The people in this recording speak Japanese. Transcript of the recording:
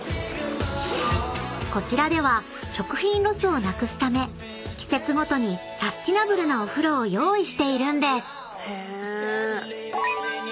［こちらでは食品ロスをなくすため季節ごとにサスティナブルなお風呂を用意しているんです］